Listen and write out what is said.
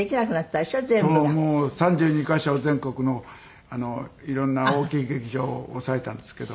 ３２カ所全国の色んな大きい劇場を押さえたんですけど。